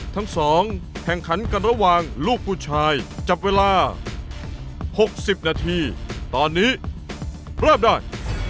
ทั้งสองแข่งขันกันระหว่างลูกผู้ชายจับเวลา๖๐นาทีตอนนี้เริ่มได้